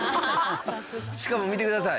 しかも見てください。